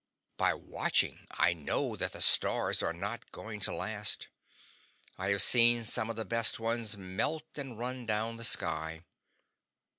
By watching, I know that the stars are not going to last. I have seen some of the best ones melt and run down the sky.